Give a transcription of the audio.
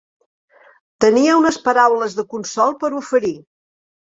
Tenia unes paraules de consol per oferir.